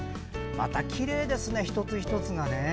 またきれいですね、一つ一つが。